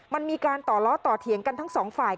มันมีการต่อล้อต่อเถียงกันทั้งสองฝ่าย